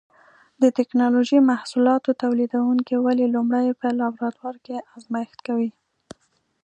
د ټېکنالوجۍ محصولاتو تولیدوونکي ولې لومړی په لابراتوار کې ازمېښت کوي؟